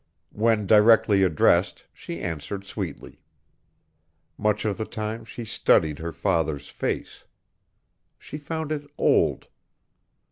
When directly addressed, she answered sweetly. Much of the time she studied her father's face. She found it old.